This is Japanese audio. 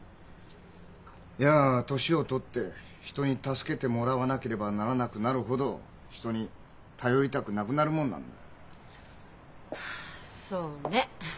いや年を取って人に助けてもらわなければならなくなるほど人に頼りたくなくなるもんなんだよ。はあそうね。